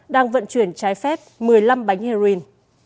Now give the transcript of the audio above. đang vận chuyển trái phép một mươi năm bánh heroin